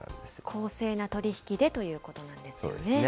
公正な取り引きでということなんですよね。